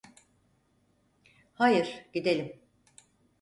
Hayır, gidelim.